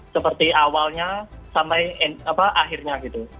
seperti awalnya sampai akhirnya